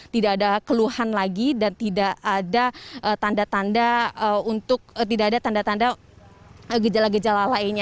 tidak ada keluhan lagi dan tidak ada tanda tanda untuk tidak ada tanda tanda gejala gejala lainnya